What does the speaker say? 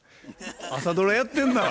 朝ドラやってんなぁ。